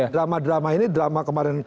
drama drama ini drama kemarin